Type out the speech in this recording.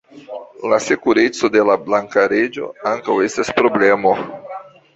La sekureco de la blanka reĝo ankaŭ estas problemo.